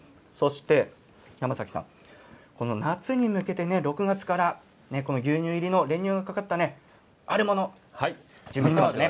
山崎さん、夏に向けて６月からこの牛乳入りの練乳がかかったあるもの、準備していますね。